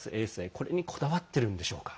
これにこだわってるんでしょうか。